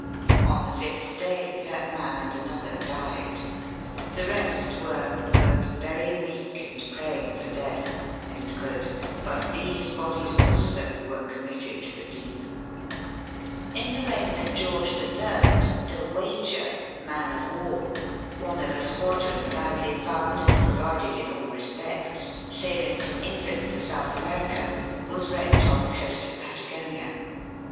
On the fifth day, that man and another died. The rest were ''very weak and praying for death;" but these bodies also, were committed to the deep. In the reign of George the Third, the Wager, Clnrlrs Dickons.] THE LOST ARCTIC VOYAGERS. 380 iiKin of wnr, one of a squadron badly found' :uid provided in all respects, sailing from England for South America, was wrecked on the coast of Patagonia.